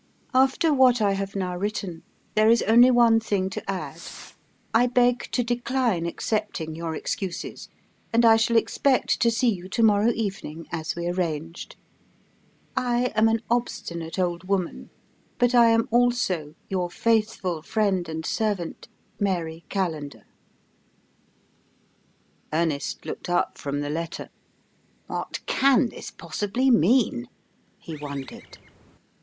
"After what I have now written, there is only one thing to add: I beg to decline accepting your excuses, and I shall expect to see you to morrow evening, as we arranged. I am an obstinate old woman, but I am also your faithful friend and servant, "MARY CALLENDER." Ernest looked up from the letter. "What can this possibly mean?" he wondered.